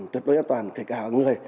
tuyệt đối an toàn kể cả người